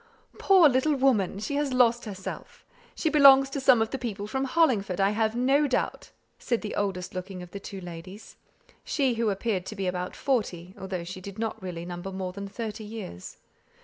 "Poor little woman! She has lost herself; she belongs to some of the people from Hollingford, I have no doubt," said the oldest looking of the two ladies; she who appeared to be about forty, though she did not really number more than thirty years.